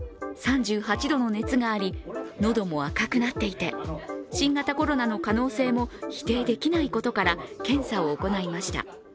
３８度の熱があり、喉も赤くなっていて新型コロナの可能性も否定できないことから検査を行いました。